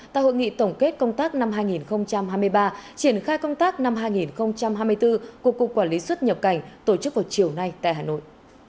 tại hội nghị tổng kết công tác năm hai nghìn hai mươi ba triển khai công tác năm hai nghìn hai mươi bốn của cục quản lý xuất nhập cảnh tổ chức vào chiều nay tại hà nội